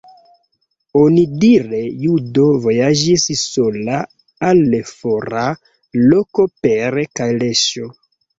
Onidire judo vojaĝis sola al fora loko per kaleŝo.